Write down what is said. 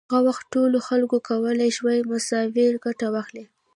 هغه وخت ټولو خلکو کولای شوای مساوي ګټه واخلي.